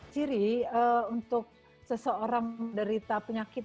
jadi untuk seseorang menderita penyakit